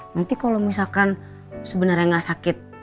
nanti kalau misalkan sebenarnya nggak sakit